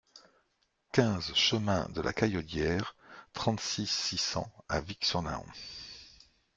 quinze chemin de la Caillaudière, trente-six, six cents à Vicq-sur-Nahon